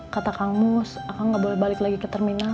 kata kang mus aku nggak boleh balik lagi ke terminal